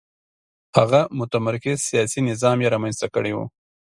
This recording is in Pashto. هغه متمرکز سیاسي نظام یې رامنځته کړی و.